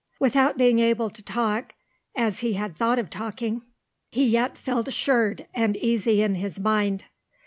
Without being able to talk as he had thought of talking, he yet felt assured and easy in his mind.